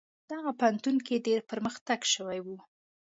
دغه پوهنتون کې ډیر پرمختګ شوی و.